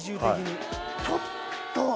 ちょっと。